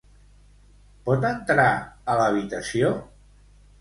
Pot entrar a l'habitació?